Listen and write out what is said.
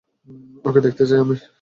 ওকে দেখতে চাই আমি।